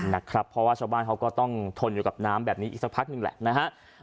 นะครับเพราะว่าชาวบ้านเขาก็ต้องทนอยู่กับน้ำแบบนี้อีกสักพักหนึ่งแหละนะฮะ